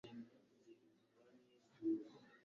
abahanga bakomeye, abambara indorerwamo